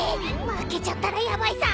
負けちゃったらヤバいさ！